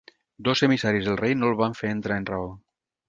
Dos emissaris del rei no el van fer entrar en raó.